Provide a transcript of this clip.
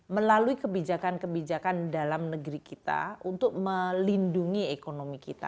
melalui kebijakan kebijakan dalam negeri kita untuk melindungi ekonomi kita